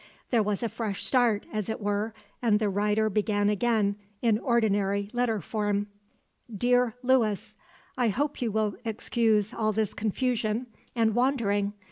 There was a fresh start, as it were, and the writer began again, in ordinary letter form: "DEAR LEWIS, "I hope you will excuse all this confusion and wandering.